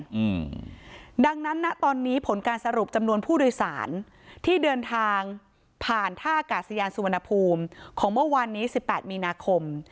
อืมดังนั้นนะตอนนี้ผลการสรุปจำนวนผู้โดยสารที่เดินทางผ่านท่ากาศยานสุวรรณภูมิของเมื่อวานนี้สิบแปดมีนาคม